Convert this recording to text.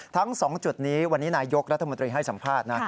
ทั้ง๒จุดนี้วันนี้นายยกรัฐมนตรีให้สัมภาษณ์นะ